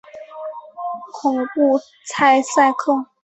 孔布莱萨克。